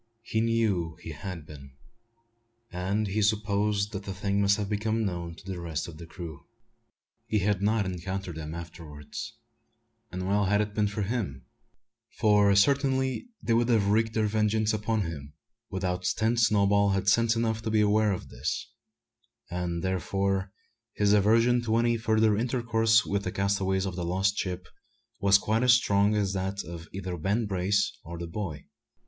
He knew he had been; and he supposed that the thing must have become known to the rest of the crew. He had not encountered them afterwards; and well had it been for him, for certainly they would have wreaked their vengeance upon him without stint Snowball had sense enough to be aware of this; and therefore his aversion to any further intercourse with the castaways of the lost ship was quite as strong as that of either Ben Brace or the boy.